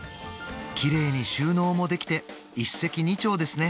綺麗に収納もできて一石二鳥ですね